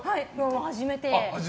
初めて。